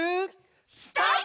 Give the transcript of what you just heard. スタート！